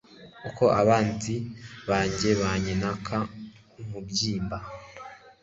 kuko abanzi banjye banyina k umubyimba